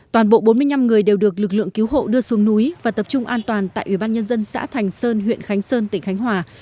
toàn bộ bốn mươi năm người đều được lực lượng cứu hộ đưa xuống núi và tập trung an toàn tại ubnd xã thành sơn huyện khánh sơn tỉnh khánh hòa